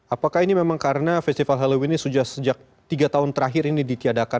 apakah ini memang karena festival halloween ini sudah sejak tiga tahun terakhir ini ditiadakan